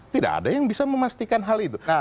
tidak ada yang bisa memastikan hal itu